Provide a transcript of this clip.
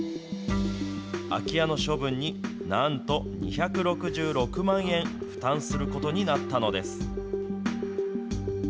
空き家の処分に、なんと２６６万円負担することになったのです。